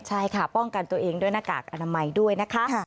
ใช่ค่ะป้องกันตัวเองด้วยหน้ากากอนามัยด้วยนะคะ